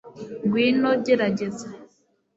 Ngwino gerageza